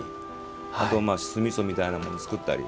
あとは酢みそみたいなものを作ったり。